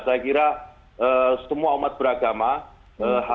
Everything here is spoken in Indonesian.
saya kira semua umat beragama harus terus bersama sama untuk berhubungan dengan allah